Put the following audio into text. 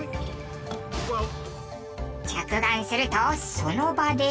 着岸するとその場で。